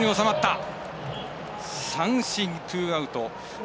三振、ツーアウト。